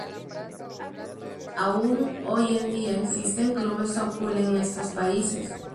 Aún hoy en día existen clubes Sokol en estos países.